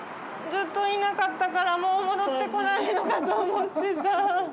ずっといなかったからもう戻ってこないのかと思ってた。